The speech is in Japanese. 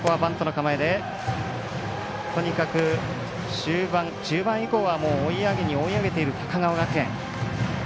とにかく終盤以降はもう追い上げに追い上げている高川学園。